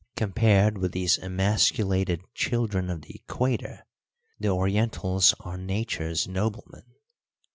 Compared with these emasculated children of the equator, the Orientals are Nature's noblemen.